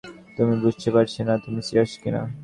আমি বুঝতে পারছি না তুমি সিরিয়াস কিনা।